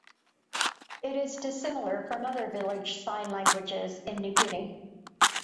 It is dissimilar from other village sign languages in New Guinea.